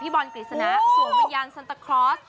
บอลกฤษณะสวมวิญญาณซันตาคลอส